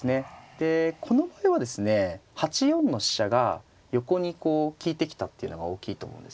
でこの手はですね８四の飛車が横にこう利いてきたっていうのが大きいと思うんですよね。